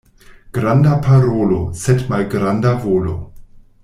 Granda parolo, sed malgranda volo.